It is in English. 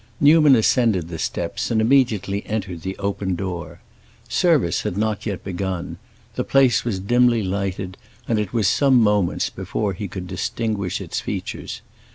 Newman ascended the steps and immediately entered the open door. Service had not yet begun; the place was dimly lighted, and it was some moments before he could distinguish its features.